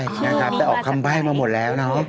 ใช่ครับแต่ออกคำใบ้มาหมดแล้วนะครับ